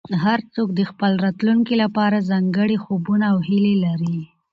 هر څوک د خپل راتلونکي لپاره ځانګړي خوبونه او هیلې لري.